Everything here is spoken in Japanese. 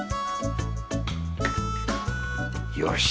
よし。